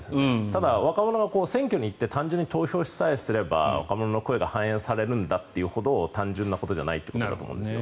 ただ、若者が選挙に行って単純に投票さえすれば若者の声が反映されるんだというほど単純なことじゃないということだと思うんですよ。